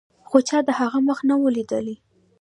خو چا د هغه مخ نه و لیدلی.